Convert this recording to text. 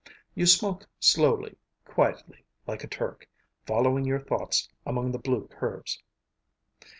You smoke slowly, quietly, like a Turk, following your thoughts among the blue curves.